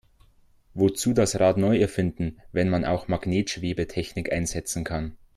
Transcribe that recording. Wozu das Rad neu erfinden, wenn man auch Magnetschwebetechnik einsetzen kann?